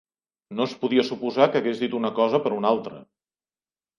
No es podia suposar que hagués dit una cosa per una altra.